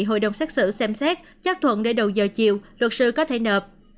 hội đồng xét xử xem xét chắc thuận để đầu giờ chiều luật sư có thể nợp